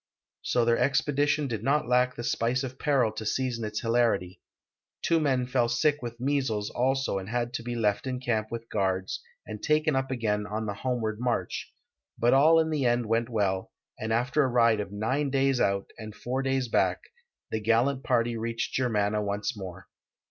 So their expedition did not lack the spice of peril to season its hilarity. Two men fell sick with measles also and had to be left in camp with guards and taken up again on the homeward march, but all in the end went well, and after a ride of nine days out and four days back the gallant party reached Germanna once more.